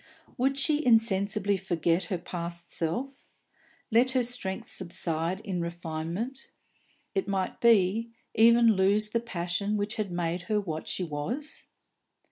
Would she insensibly forget her past self, let her strength subside in refinement it might be, even lose the passion which had made her what she was?